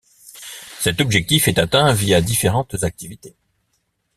Cet objectif est atteint via différentes activités.